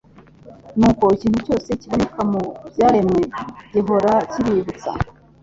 Nuko ikintu cyose kiboneka mu byaremwe gihora kibibutsa